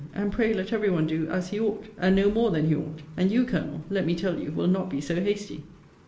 and pray let every one do as he ought! and no more than he ought; and you, Colonel, let me tell you, will not be so hasty.